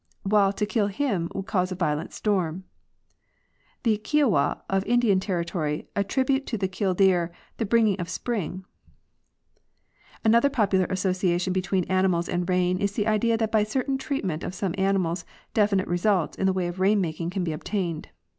while to kill him would cause a violent storm (Dr Fletcher). The Kiowa of Indian territory attribute to the kill deer the bringing of spring (James Mooney, Washington). Another popular association between animals and rain is the idea that by certain treatment of some animals definite results in the way of, rain making can be obtained.